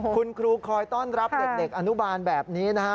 คุณครูคอยต้อนรับเด็กอนุบาลแบบนี้นะฮะ